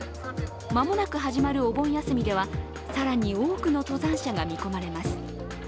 間もなく始まるお盆休みでは更に多くの登山者が見込まれます。